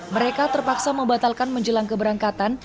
mereka terpaksa membatalkan menjelang keberangkatan